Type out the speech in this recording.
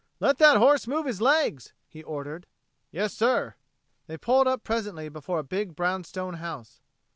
"Let that horse move his legs," he ordered. "Yes, sir." They pulled up presently before a big brownstone house.